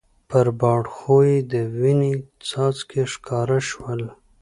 پر باړخو یې د وینې څاڅکي ښکاره شول.